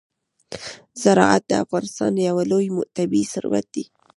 زراعت د افغانستان یو لوی طبعي ثروت دی.